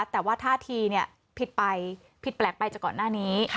แต่ว่าท่าทีผิดไปผิดแปลกไปจากก่อนหน้านี้